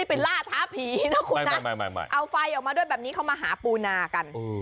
เอาไฟออกมาด้วยแบบนี้เขามาหาปูนากัน